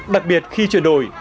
đặc biệt khi chuyển đổi